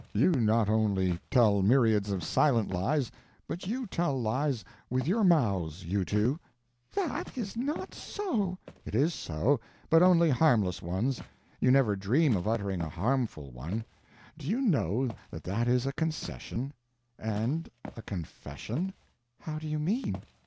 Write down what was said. "You not only tell myriads of silent lies, but you tell lies with your mouths you two." "_That _is not so!" "It is so. But only harmless ones. You never dream of uttering a harmful one. Do you know that that is a concession and a confession?" "How do you mean?"